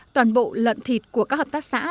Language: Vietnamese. toàn bộ lợn thịt của các hợp tác xã